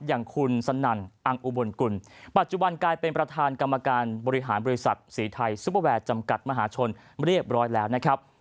อย่างคุณสนั่นอังอุบลกุลปัจจุบันกลายเป็นประธานกรรมการบริหารบริษัทสีไทยซุปเปอร์แวร์จำกัดมหาชนเรียบร้อยแล้วนะครับ